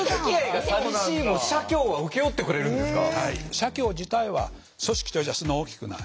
社協自体は組織としてはそんな大きくない。